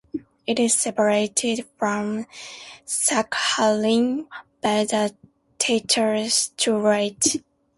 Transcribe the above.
It is separated from Sakhalin by the Tatar Strait.